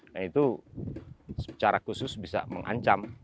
nah itu secara khusus bisa mengancam